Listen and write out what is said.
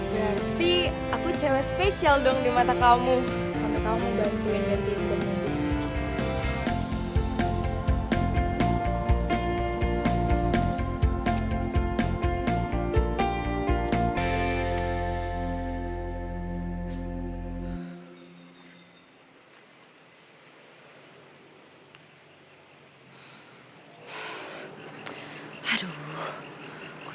berarti aku cewek spesial dong di mata kamu sama kamu bantuin gantiin ban mobil